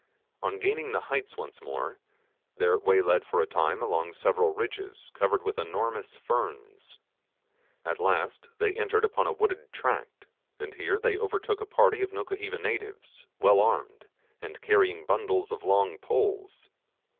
On gaining the heights once more, their way led for a time along several ridges covered with enormous ferns. At last they entered upon a wooded tract, and here they overtook a party of Nukuheva natives, well armed, and carrying bundles of long poles.